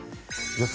予想